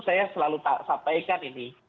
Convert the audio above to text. saya selalu sampaikan ini